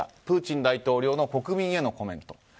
プーチン大統領の国民へのコメント。